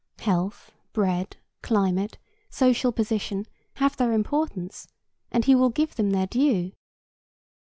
Health, bread, climate, social position, have their importance, and he will give them their due.